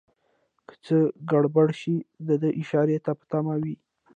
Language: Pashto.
که څه ګړبړ شي دده اشارې ته په تمه وي.